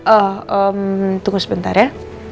oh tunggu sebentar ya